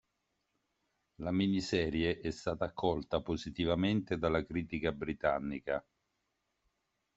La miniserie è stata accolta positivamente dalla critica britannica.